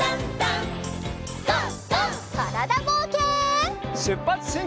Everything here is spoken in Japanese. からだぼうけん。